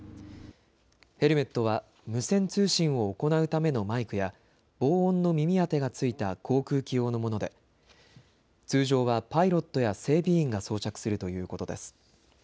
ヘルメットは無線通信を行うためのマイクや防音の耳当てがついた航空機用のもので通常はパイロットや整備員が装着するということです。